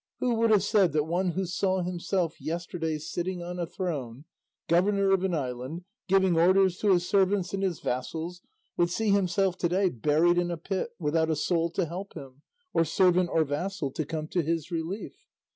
Who would have said that one who saw himself yesterday sitting on a throne, governor of an island, giving orders to his servants and his vassals, would see himself to day buried in a pit without a soul to help him, or servant or vassal to come to his relief?